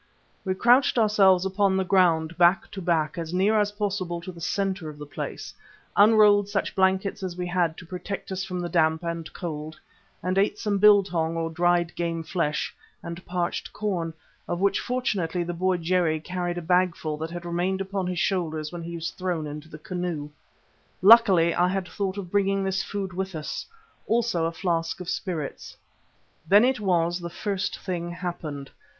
We crouched ourselves upon the ground back to back as near as possible to the centre of the place, unrolled such blankets as we had to protect us from the damp and cold, and ate some biltong or dried game flesh and parched corn, of which fortunately the boy Jerry carried a bagful that had remained upon his shoulders when he was thrown into the canoe. Luckily I had thought of bringing this food with us; also a flask of spirits. Then it was that the first thing happened.